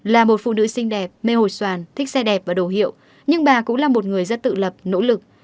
là một phụ nữ xinh đẹp mê hồi soàn thích xe đẹp và đồ hiệu nhưng bà cũng là một người rất tự lập nỗ lực